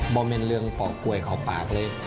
มันเป็นเรื่องปอกกล่วยขอบปากเลย